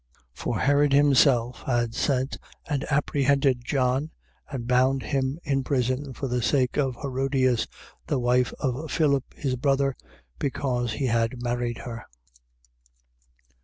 6:17. For Herod himself had sent and apprehended John, and bound him prison for the sake of Herodias the wife of Philip his brother, because he had married her.